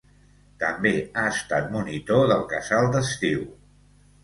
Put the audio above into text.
També ha estat monitor del casal d'estiu.